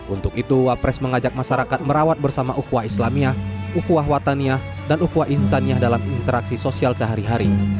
untuk itu wak pres mengajak masyarakat merawat bersama ukwa islamiyah ukwa wataniyah dan ukwa insaniyah dalam interaksi sosial sehari hari